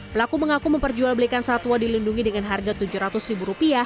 pelaku mengaku memperjualbelikan satwa dilindungi dengan harga rp tujuh ratus